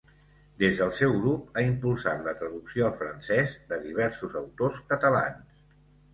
Des del seu grup ha impulsat la traducció al francès de diversos autors catalans.